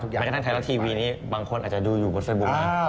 แม้กระทั่งไทยลักษณ์ทีวีนี้บางคนอาจจะดูอยู่บนเซโบร์น